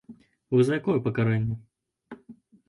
Вы за якое пакаранне?